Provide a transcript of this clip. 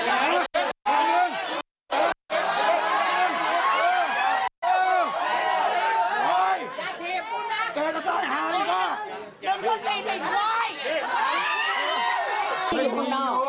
แล้วเรื่องของสุลาหรอคะมีการดื่มมั้ยเจ๋อคุณ